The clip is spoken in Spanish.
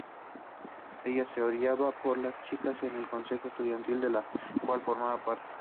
Ella es odiada por las chicas en el consejo estudiantil, del cual forma parte.